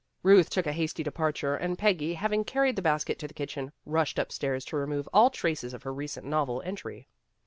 Ruth took a hasty departure and Peggy, hav ing carried the basket to the kitchen, rushed upstairs to remove all traces of her recent novel entry.